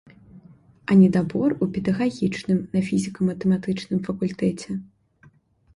А недабор у педагагічным на фізіка-матэматычным факультэце.